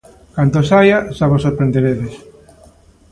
Cando saia xa vos sorprenderedes.